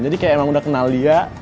jadi kayak emang udah kenal dia